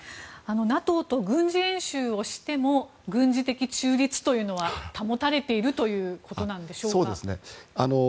ＮＡＴＯと軍事演習をしても軍事的中立というのは保たれているということなんでしょうか。